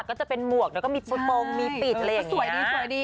ก็จะเป็นหมวกแล้วก็มีปุ๊บโปรงมีปิดอะไรอย่างนี้